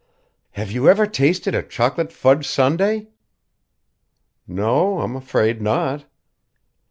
"Have you ever tasted a chocolate fudge sundae?" "No o, I'm afraid not."